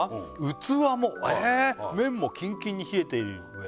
「器も」へえ「麺もキンキンに冷えている上」